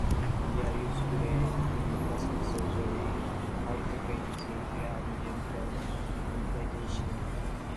They are used today in plastic surgery, orthopedic surgery and dental implantation.